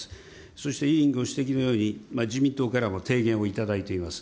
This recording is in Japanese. そして委員ご指摘のように、自民党からも提言をいただいています。